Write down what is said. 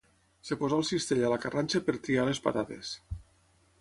Es posà el cistell a la carranxa per triar les patates.